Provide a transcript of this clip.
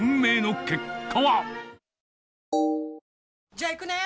じゃあ行くね！